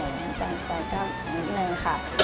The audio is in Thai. น้ำตาลทรายก็นิดนึงค่ะ